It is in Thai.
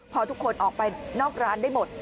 พอทุกคนออกไปนอกร้านได้หมด